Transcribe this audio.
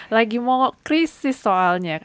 lagi mau krisis soalnya